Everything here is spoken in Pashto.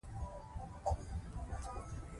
د ښځو ځواکمنېدل د کلیوال ژوند کیفیت ښه کوي.